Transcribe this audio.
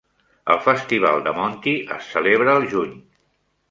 El Festival de Monti es celebra al juny.